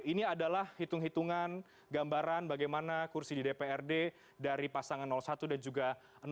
ini adalah hitung hitungan gambaran bagaimana kursi di dprd dari pasangan satu dan juga dua